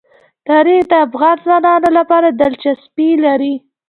تاریخ د افغان ځوانانو لپاره دلچسپي لري.